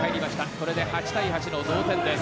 これで８対８の同点です。